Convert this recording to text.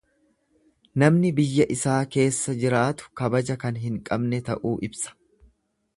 Namni biyya isaa keessa jiraatu kabaja kan hin dhabne ta'uu ibsa.